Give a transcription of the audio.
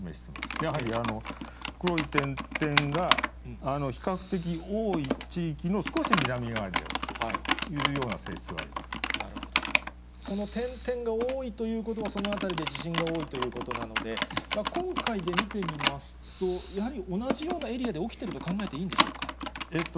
やはり黒い点々が比較的多い地域の少し南側で起きている性質があこの点々が多いということは、その辺りで地震が多いということなので、今回で見てみますと、やはり同じようなエリアで起きてると考えていいんでしょうか。